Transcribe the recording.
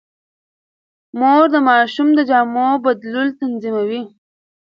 مور د ماشوم د جامو بدلول تنظيموي.